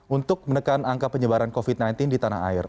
untuk menekan angka penyebaran covid sembilan belas di tanah air